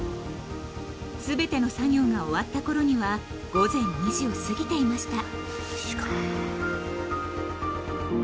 ［全ての作業が終わったころには午前２時を過ぎていました］